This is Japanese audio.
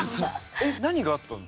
えっ何があったの？